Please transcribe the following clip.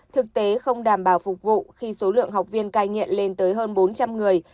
thực tế không đảm bảo phục vụ khi số lượng học viên cai nghiện lên tới hơn bốn trăm linh người